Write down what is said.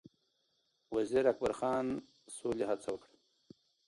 وزیر اکبرخان سولې هڅه وکړه